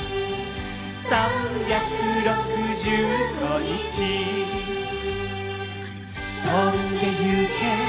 「３６５日」「飛んで行け！